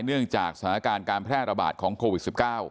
เนื่องจากสถานการณ์การแพร่ระบาดของโควิด๑๙